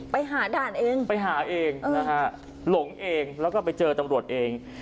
ไปหาด่านเองไปหาเองนะฮะหลงเองแล้วก็ไปเจอตำรวจเอง